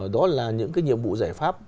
đó là những cái nhiệm vụ giải pháp